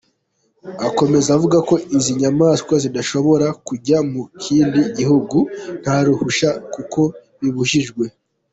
Akomeza avuga ko izi nyamaswa zidashobora kujya mu kindi gihugu nta ruhushya kuko bibujijwe.